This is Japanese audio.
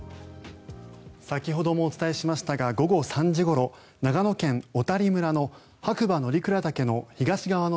先ほどもお伝えしましたが午後３時ごろ長野県小谷村の白馬乗鞍岳の